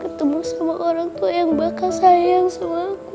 ketemu sama orang tua yang bakal sayang sama aku